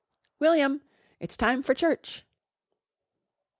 "William! It's time for church."